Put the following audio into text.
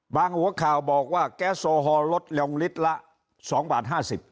บางหัวข่าวบอกว่าแก๊สโซฮอลลดลิลละ๒บาท๕๐